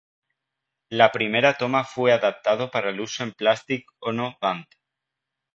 La primera toma fue adaptado para el uso en Plastic Ono Band.